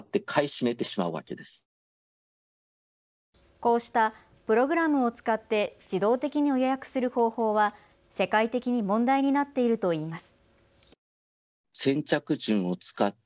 こうしたプログラムを使って自動的に予約する方法は世界的に問題になっているといいます。